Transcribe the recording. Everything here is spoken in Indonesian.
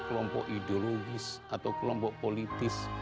kelompok ideologis atau kelompok politis